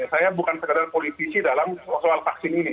saya bukan sekedar politisi dalam soal vaksin ini